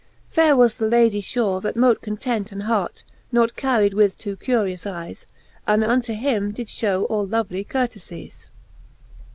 Faire was the Ladie fure, that mote content An hart, not carried with too curious eycsy And unto him did Ihew all lovely courtelyes.